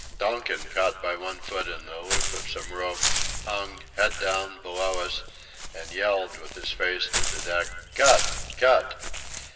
Donkin, caught by one foot in a loop of some rope, hung, head down, below us, and yelled, with his face to the deck: "Cut! Cut!"